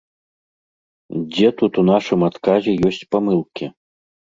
Дзе тут у нашым адказе ёсць памылкі?